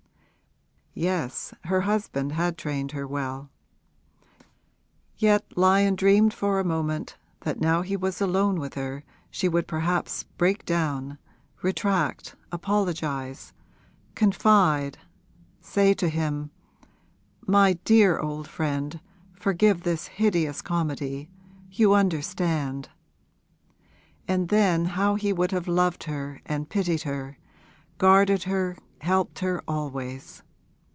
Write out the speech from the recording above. Yes, her husband had trained her well; yet Lyon dreamed for a moment that now he was alone with her she would perhaps break down, retract, apologise, confide, say to him, 'My dear old friend, forgive this hideous comedy you understand!' And then how he would have loved her and pitied her, guarded her, helped her always!